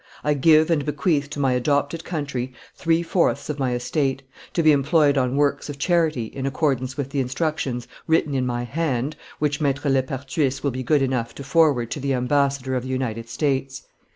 I give and bequeath to my adopted country three fourths of my estate, to be employed on works of charity in accordance with the instructions, written in my hand, which Maître Lepertuis will be good enough to forward to the Ambassador of the United States.